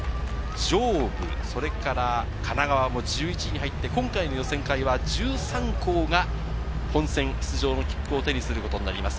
上武、それから神奈川も１１位に入って、今回の予選会は１３校が本選出場の切符を手にすることになります。